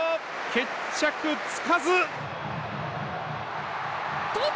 決着つかず！